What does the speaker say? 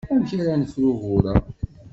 Amek ara nefru ugur-a?